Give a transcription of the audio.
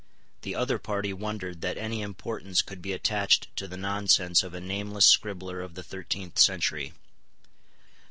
The other party wondered that any importance could be attached to the nonsense of a nameless scribbler of the thirteenth century.